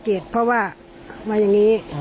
ตัวนี้เลข๗เพราะว่ามาอย่างนี้